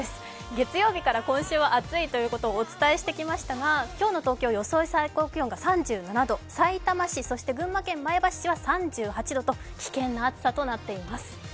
月曜日から今週は暑いということをお伝えしてきましたが、今日の東京、予想最高気温が３４度、さいたま市、群馬県前橋市は３８度と危険な暑さとなっています。